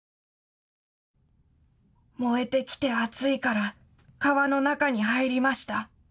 燃えてきてあついから川の中に入りました。